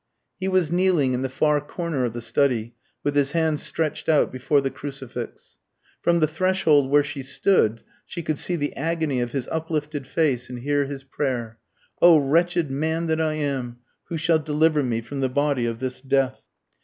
He was kneeling in the far corner of the study, with his hands stretched out before the crucifix. From the threshold where she stood she could see the agony of his uplifted face and hear his prayer. "O wretched man that I am! who shall deliver me from the body of this death?"